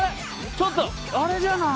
ちょっとあれじゃない？